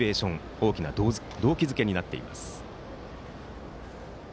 大きな動機付けになっています。